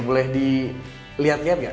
boleh dilihat lihat nggak